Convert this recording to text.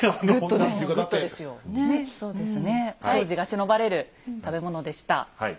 当時がしのばれる食べ物でした。